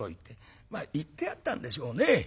言ってあったんでしょうね